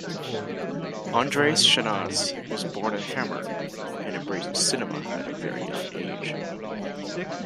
Andreas Schnaas was born in Hamburg and embraced cinema at a very young age.